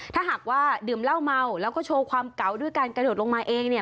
ถ้าหากว่าดื่มเหล้าเมาแล้วก็โชว์ความเก่าด้วยการกระโดดลงมาเองเนี่ย